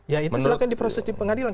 ya itu silahkan diproses di pengadilan